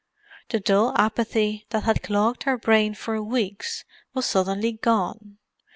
The dull apathy that had clogged her brain for weeks was suddenly gone.